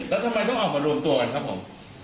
แล้วทำไมต้องออกมารวมตัวกันครับผม